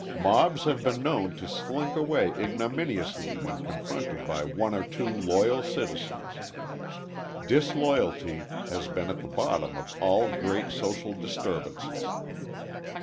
Mobs have been known to slink away ignominiously when confronted by one or two loyal citizens. Disloyalty has been at the bottom of all great social disturbances.